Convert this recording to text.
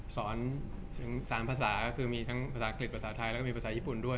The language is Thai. ถึง๓ภาษาก็คือมีทั้งภาษาอังกฤษภาษาไทยแล้วก็มีภาษาญี่ปุ่นด้วย